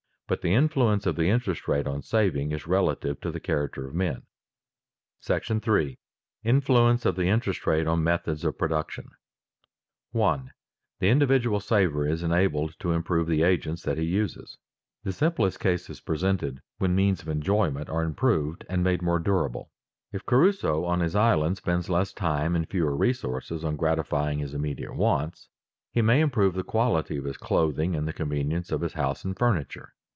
But the influence of the interest rate on saving is relative to the character of men. § III. INFLUENCE OF THE INTEREST RATE ON METHODS OF PRODUCTION [Sidenote: Saving permits improvement of agents] 1. The individual saver is enabled to improve the agents that he uses. The simplest case is presented when means of enjoyment are improved and made more durable. If Crusoe on his island spends less time and fewer resources on gratifying his immediate wants, he may improve the quality of his clothing and the convenience of his house and furniture.